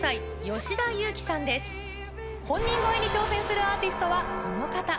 本人超えに挑戦するアーティストはこの方。